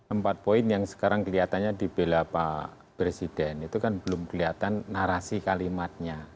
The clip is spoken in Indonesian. empat poin yang sekarang kelihatannya di bela pak presiden itu kan belum kelihatan narasi kalimatnya